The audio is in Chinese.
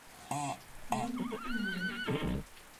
何以速为。